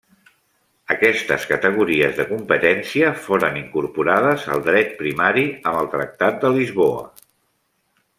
Aquestes categories de competència foren incorporades al dret primari amb el Tractat de Lisboa.